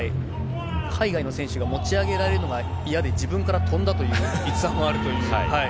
海外の選手が持ちあげられるのが嫌で、自分から跳んだという逸話もあるという。